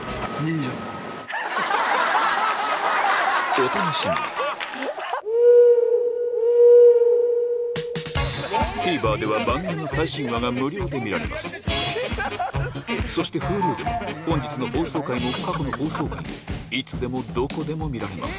お楽しみにＴＶｅｒでは番組の最新話が無料で見られますそしてＨｕｌｕでは本日の放送回も過去の放送回もいつでもどこでも見られます